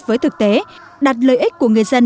với thực tế đặt lợi ích của người dân